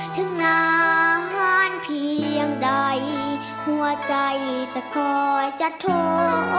ถึงนานเพียงใดหัวใจจะคอยจะท้อ